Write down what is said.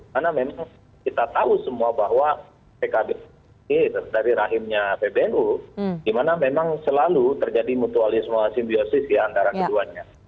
karena memang kita tahu semua bahwa pkb dari rahimnya pbnu di mana memang selalu terjadi mutualisme atau simbiosis ya antara keduanya